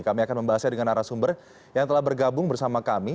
kami akan membahasnya dengan arah sumber yang telah bergabung bersama kami